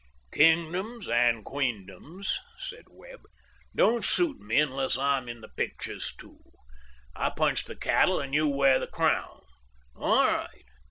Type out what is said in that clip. "Kingdoms and queendoms," said Webb, "don't suit me unless I am in the pictures, too. I punch the cattle and you wear the crown. All right.